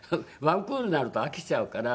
１クールになると飽きちゃうから。